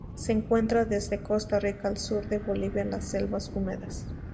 Se encuentra desde Costa Rica al sur de Bolivia en las selvas húmedas.